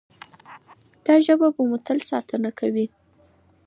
دا ژبه به مو تل ساتنه کوي.